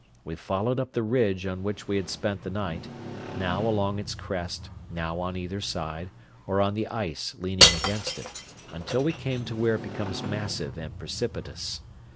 We followed up the ridge on which we had spent the night, now along its crest, now on either side, or on the ice leaning against it, until we came to where it becomes massive and precipitous.